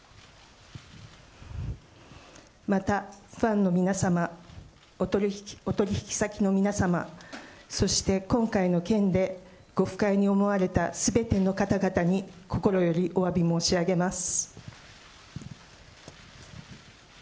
また、ファンの皆様、お取り引き先の皆様、そして今回の件でご不快に思われたすべての方々に、心よりおわび申し上げます。